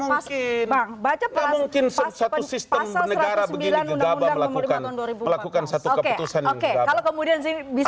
gak mungkin satu sistem negara begini gegabah melakukan satu keputusan yang gegabah